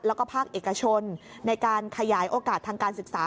แล้วก็ภาคเอกชนในการขยายโอกาสทางการศึกษา